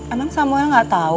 emang samuel gak tau